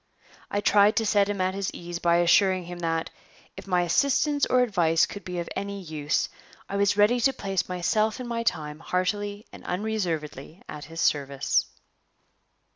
I tried to set him at his ease by assuring him that, if my assistance or advice could be of any use, I was ready to place myself and my time heartily and unreservedly at his service.